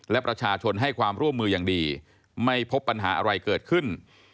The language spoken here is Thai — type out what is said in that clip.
และประชาชนให้ความร่วมมืออย่างดีไม่พบปัญหาอะไรเกิดขึ้น